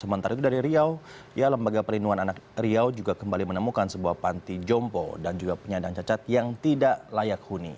sementara itu dari riau ya lembaga perlindungan anak riau juga kembali menemukan sebuah panti jompo dan juga penyandang cacat yang tidak layak huni